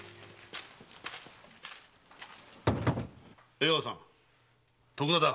江川さん徳田だ。